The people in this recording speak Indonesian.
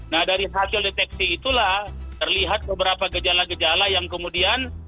nah dari hasil deteksi itulah terlihat beberapa gejala gejala yang kemudian